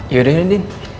yaudah ya din